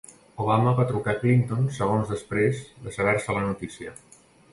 Obama va trucar a Clinton segons després de saber-se la notícia